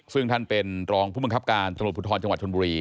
ซึ่งท่านเป็นรองผู้บังคับการสนุนพุทธรณ์จังหวัดชนบุรี